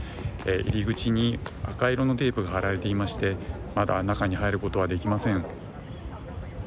入り口に、赤色のテープが貼られていましてまだ中に入ることはできません。